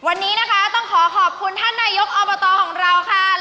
วันนี้นะคะต้องขอขอบคุณท่านนายกอบตของเราค่ะ